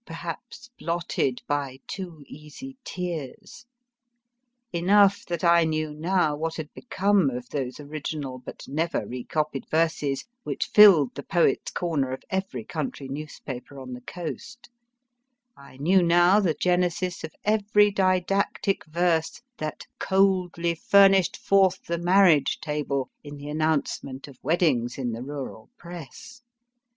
perhaps blotted by too easy tears ! Enough that I knew now what had become of those original but never re copied verses which filled the Poet s Corner of every country newspaper on the coast, genesis of every di dactic verse that * coldly furnished forth the marriage table in the an nouncement of wed dings in the rural Press.